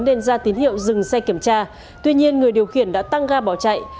nên ra tín hiệu dừng xe kiểm tra tuy nhiên người điều khiển đã tăng ga bỏ chạy